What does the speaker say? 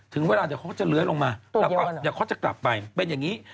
ถึงเวลาเดี๋ยวเขาก็จะเลื้อยลงมาแล้วก็เดี๋ยวเขาจะกลับไปเป็นอย่างนี้